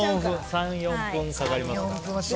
３４分かかりますから。